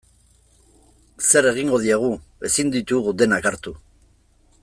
Zer egingo diegu, ezin ditugu denak hartu.